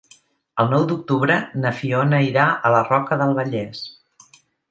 El nou d'octubre na Fiona irà a la Roca del Vallès.